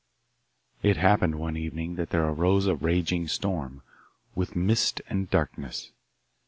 It happened one evening that there arose a raging storm, with mist and darkness.